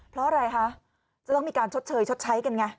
เพราะอะไรคะจะต้องมีการชดเชยชดใช้กันไง